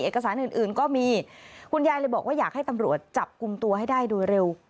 เอกสารอื่นอื่นก็มีคุณยายเลยบอกว่าอยากให้ตำรวจจับกลุ่มตัวให้ได้โดยเร็ว